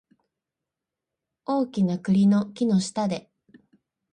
大きな栗の木の下で